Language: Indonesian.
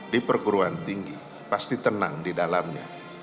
di perguruan tinggi pasti tenang di dalamnya